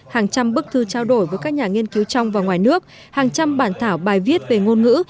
hàng trăm bức thư trao đổi với các nhà nghiên cứu trong và ngoài nước hàng trăm bản thảo bài viết về ngôn ngữ